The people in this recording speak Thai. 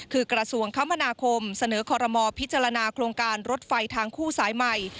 คือกระทรวงคมนาคมเสนอคอรมอลพิจารณาโครงการรถไฟทางคู่สายใหม่